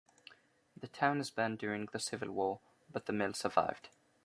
The town was burned during the Civil War, but the mill survived.